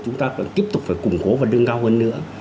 chúng ta vẫn tiếp tục phải củng cố và đương cao hơn nữa